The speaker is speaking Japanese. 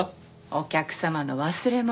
お客様の忘れもの。